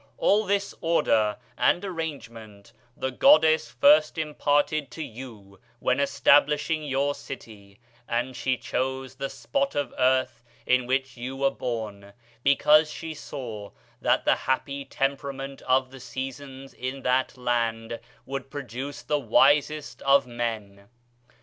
All this order and arrangement the goddess first imparted to you when establishing your city; and she chose the spot of earth in which you were born, because she saw that the happy temperament of the seasons in that land would produce the wisest of men.